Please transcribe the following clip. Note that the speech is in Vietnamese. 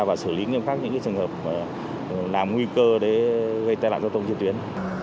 và xử lý những trường hợp làm nguy cơ để gây tai lạc giao thông trên tuyến